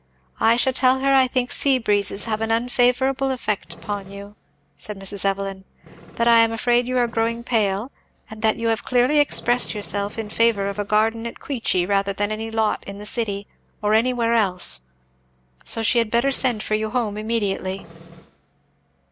"I shall tell her I think sea breezes have an unfavourable effect upon you," said Mrs. Evelyn; "that I am afraid you are growing pale; and that you have clearly expressed yourself in favour of a garden at Queechy rather than any lot in the city or anywhere else; so she had better send for you home immediately."